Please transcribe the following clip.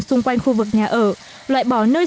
xung quanh khu vực nhà ở loại bỏ nơi